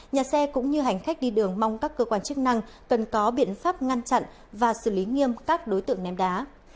nhà xe cũng như hành khách đi đường mong các cơ quan chức năng cần có biện pháp ngăn chặn và xử lý nghiêm các đối tượng ném đá